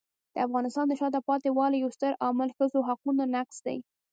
د افغانستان د شاته پاتې والي یو ستر عامل ښځو حقونو نقض دی.